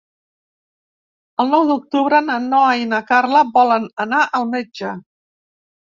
El nou d'octubre na Noa i na Carla volen anar al metge.